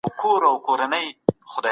احمد خپلي هټۍ ته په پوره امید سره تللی و.